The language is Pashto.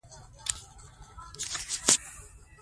ډوډۍ له خرابېدو ژر ساتل فایده لري.